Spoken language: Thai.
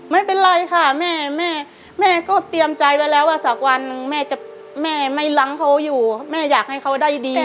ไม่เป็นไรค่ะแม่แม่ก็เตรียมใจไว้แล้วว่าสักวันหนึ่งแม่ไม่ล้างเขาอยู่แม่อยากให้เขาได้ดี